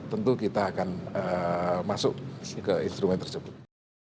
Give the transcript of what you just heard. tentu kita akan masuk ke instrumen tersebut